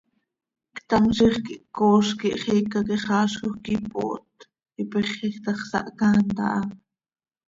Ctam ziix quih ccooz quih xiica quixaazjoj quih ipooht, ipexej ta x, sahcaant aha.